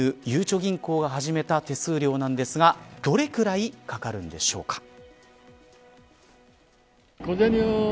ゆうちょ銀行が始めた手数料なんですがどれぐらいかかるんでしょうか。